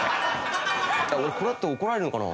これって怒られるのかな？